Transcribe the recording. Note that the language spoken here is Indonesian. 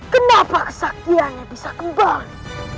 kenapa kesaktian ini bisa kembali